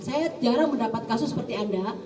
saya jarang mendapat kasus seperti anda